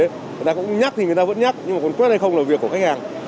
người ta cũng nhắc thì người ta vẫn nhắc nhưng mà còn quét hay không là việc của khách hàng